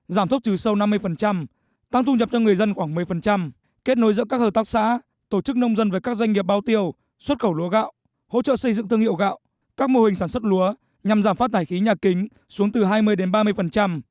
giảm thốc trừ sâu năm mươi tăng thu nhập cho người dân khoảng một mươi kết nối giữa các hợp tác xã tổ chức nông dân với các doanh nghiệp bao tiêu xuất khẩu lúa gạo hỗ trợ xây dựng thương hiệu gạo các mô hình sản xuất lúa nhằm giảm phát thải khí nhà kính xuống từ hai mươi đến ba mươi